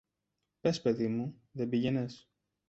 Πες, παιδί μου, δεν πήγαινες.